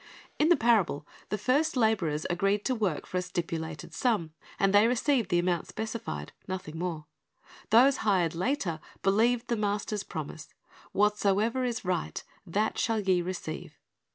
"^ In the parable the first laborers agreed to work for a stipulated sum, and they received the amount specified, nothing more. Those later hired believed the master's promise, "Whatsoever is right, that shall ye receive."